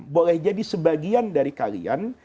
boleh jadi sebagian dari kalian